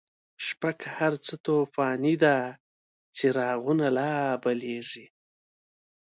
شپه که هرڅه توفانیده، څراغونه لابلیږی